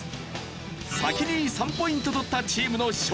先に３ポイント取ったチームの勝利。